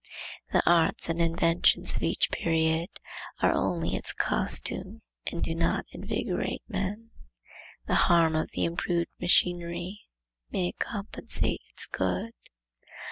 The arts and inventions of each period are only its costume and do not invigorate men. The harm of the improved machinery may compensate its good.